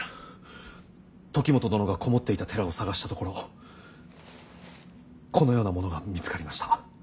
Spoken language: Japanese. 時元殿が籠もっていた寺を捜したところこのようなものが見つかりました。